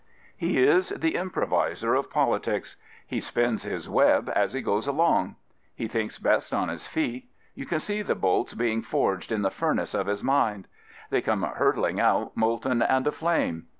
He is the improviser of politics. He spins his web as he goes alongr He thinks best on his feet. You can see the bolts being forged in the furnace of his mind. They come hurtling out molten and aflame.